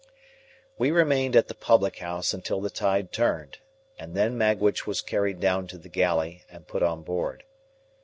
We remained at the public house until the tide turned, and then Magwitch was carried down to the galley and put on board.